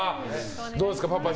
どうですか、パパ。